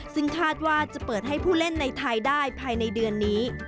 ซึ่งคาดว่าจะเปิดให้ผู้เล่นในไทยได้ภายในเดือนนี้